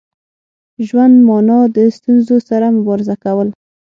ژوند مانا د ستونزو سره مبارزه کول.